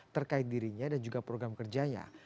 terkait dirinya dan juga program kerjanya